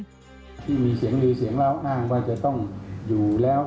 ที่มีเสียงลือเสียงเล่าอ้างว่าจะต้องอยู่แล้ว